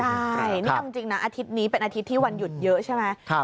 ใช่นี่เอาจริงนะอาทิตย์นี้เป็นอาทิตย์ที่วันหยุดเยอะใช่ไหม